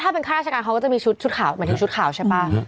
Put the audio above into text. ถ้าเป็นข้าราชการเขาก็จะมีชุดขาวหมายถึงชุดขาวใช่ป่ะ